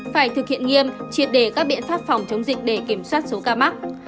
phải thực hiện nghiêm triệt đề các biện pháp phòng chống dịch để kiểm soát số ca mắc